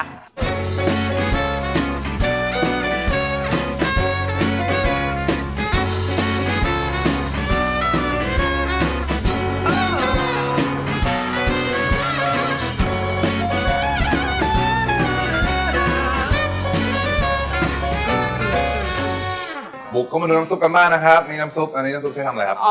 บุกเข้ามาดูน้ำซุปกันบ้างนะครับนี่น้ำซุปอันนี้น้ำซุปใช้ทำอะไรครับ